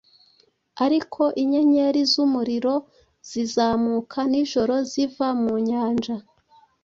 ariko inyenyeri Zumuriro zizamuka nijoro ziva mu Nyanja